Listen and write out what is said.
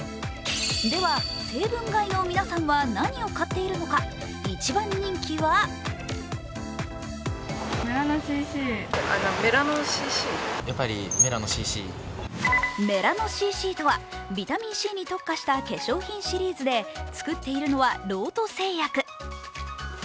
では、成分買いの皆さんは何を買っているのか、一番人気はメラノＣＣとは、ビタミンＣに特化した化粧品シリーズで、作っているのはロート製薬。